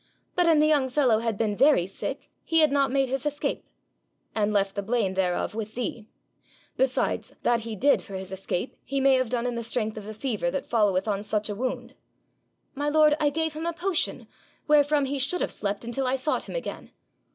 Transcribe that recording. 'But an' the young fellow had been very sick, he had not made his escape.' 'And left the blame thereof with thee. Besides, that he did for his escape he may have done in the strength of the fever that followeth on such a wound.' 'My lord, I gave him a potion, wherefrom he should have slept until I sought him again.'